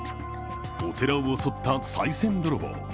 お寺を襲ったさい銭泥棒。